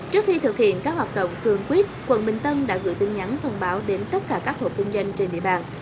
trước khi thực hiện các hoạt động cường quyết quận bình tân đã gửi tin nhắn thông báo đến tất cả các hộ kinh doanh trên địa bàn